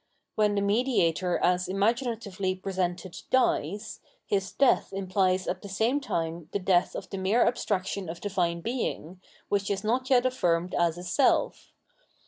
When the mediator as imaginatively presented dies, his death imphes at the same time the death of the mere abstraction of Divine Being, which is not yet affirmed as a self.